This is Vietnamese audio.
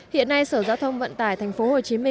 hiện nay sở giao thông vận tải tp hcm